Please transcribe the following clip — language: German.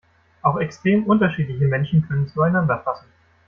Auch extrem unterschiedliche Menschen können zueinander passen.